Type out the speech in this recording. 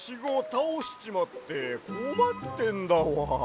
たおしちまってこまってんだわ。